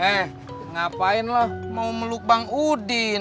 eh ngapain lah mau meluk bang udin